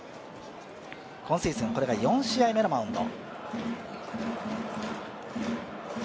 今シーズン、これが４試合目のマウンド。